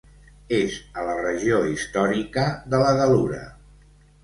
És a la regió històrica de la Gal·lura.